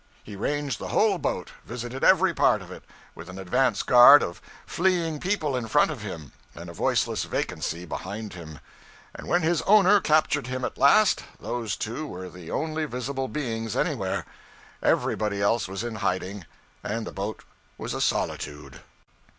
He ranged the whole boat visited every part of it, with an advance guard of fleeing people in front of him and a voiceless vacancy behind him; and when his owner captured him at last, those two were the only visible beings anywhere; everybody else was in hiding, and the boat was a solitude.